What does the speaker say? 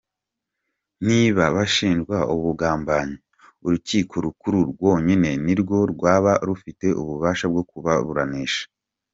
Niba bashinjwa ubugambanyi, urukiko rukuru rwonyine ni rwo rwaba rufite ububasha bwo kubaburanisha.